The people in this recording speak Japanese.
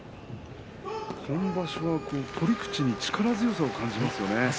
今場所は取り口に力強さを感じますね。